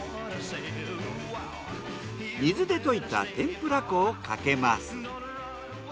水で溶いた天ぷら粉をかけます。